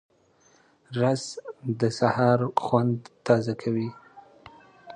رس د سهار خوند تازه کوي